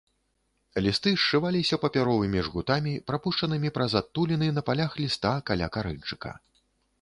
Лісты сшываліся папяровымі жгутамі, прапушчанымі праз адтуліны на палях ліста каля карэньчыка.